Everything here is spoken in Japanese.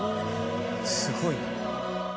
すごいな。